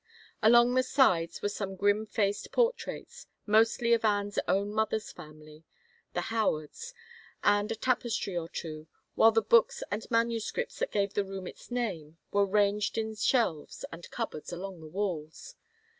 Along the sides were some grim faced portraits, mostly of Anne's own mother's family, the Howards, and a tapestry or two, while the books and manuscripts that gave the room its name were ranged in shelves and cupboards along the walls.